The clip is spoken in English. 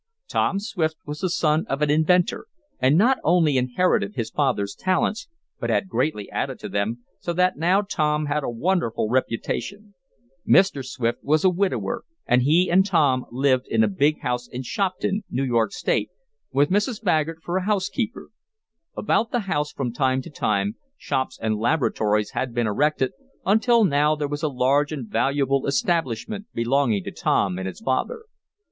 Tom Swift was the son of an inventor, and not only inherited his father's talents, but had greatly added to them, so that now Tom had a wonderful reputation. Mr. Swift was a widower, and he and Tom lived in a big house in Shopton, New York State, with Mrs. Baggert for a housekeeper. About the house, from time to time, shops and laboratories had been erected, until now there was a large and valuable establishment belonging to Tom and his father.